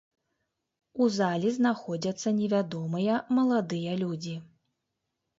У залі знаходзяцца невядомыя маладыя людзі.